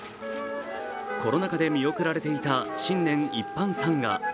コロナ禍で見送られていた新年一般参賀。